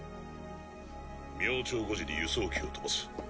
明朝５時に輸送機を飛ばす。